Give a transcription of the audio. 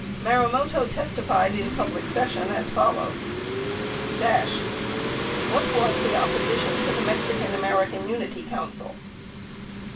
97 Marumoto testified in public session as follows : Dash. What was the opposition to the Mexican American Unity Council